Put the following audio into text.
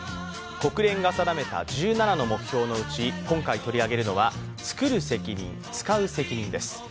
国連が定めた１７の目標のうち今回取り上げるのは「つくる責任つかう責任」です。